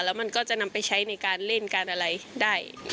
แล้วมันก็จะนำไปใช้ในการเล่นการอะไรได้